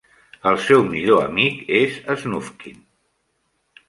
El seu millor amic és Snufkin.